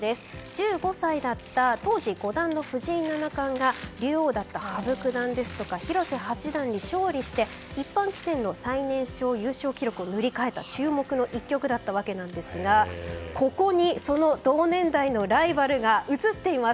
１５歳だった当時五段の藤井七冠が竜王だった羽生九段ですとか広瀬八段に勝利して一般棋戦の最年少優勝記録を塗り替えた注目の一局だったわけですがここにその同年代のライバルが映っています。